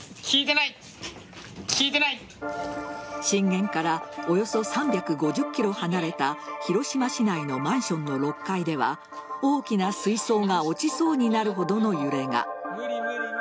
震源からおよそ３５０ｋｍ離れた広島市内のマンションの６階では大きな水槽が落ちそうになるほどの揺れが。